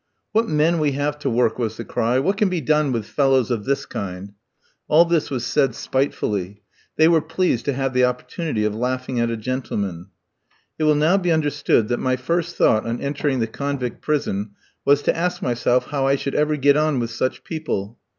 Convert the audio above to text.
"What men we have to work!" was the cry. "What can be done with fellows of this kind?" All this was said spitefully. They were pleased to have the opportunity of laughing at a gentleman. It will now be understood that my first thought on entering the convict prison was to ask myself how I should ever get on with such people.